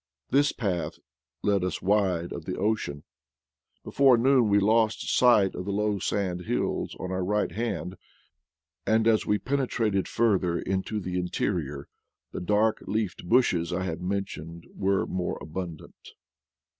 This path led us wide of the ocean. Before noon we lost sight of the low sand hills on our right hand, and as we pene trated further into the interior the dark leafed bushes I have mentioned were more abundant.